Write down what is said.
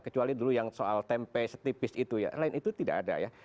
kecuali dulu yang soal tempe setipis itu ya lain itu tidak ada ya